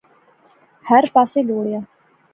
ہر پاسے لوڑیا